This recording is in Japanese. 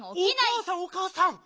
おかあさんおかあさん！